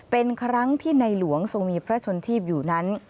เป็นครั้งที่ในหลวงทรงมีพระชนทีพอยู่นั้น